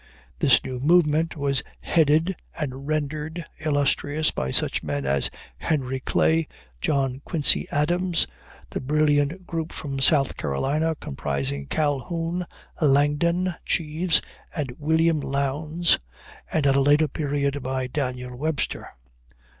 This new movement was headed and rendered illustrious by such men as Henry Clay, John Quincy Adams, the brilliant group from South Carolina, comprising Calhoun, Langdon Cheves, and William Lowndes, and at a later period by Daniel Webster.